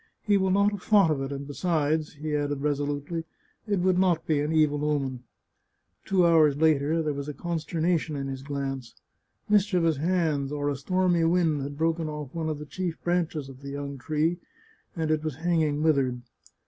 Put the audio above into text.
He will not have thought of it, and besides," he added resolutely, " it would not be an evil omen," Two hours later there was consternation in his glance ; mischievous hands, or a stormy wind, had broken off one of the chief branches of the young tree, and it was hanging withered.